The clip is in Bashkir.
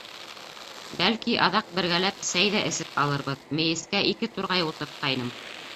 Бәлки, аҙаҡ бергәләп сәй ҙә эсеп алырбыҙ, мейескә ике турғай ултыртҡайным.